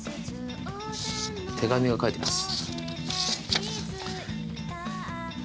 手紙が書いてます。